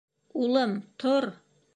— Улым, тор!